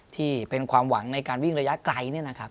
ที่เป็นความหวังในวิ่งระยะไกล